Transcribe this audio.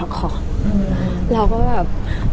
เราก็แบบ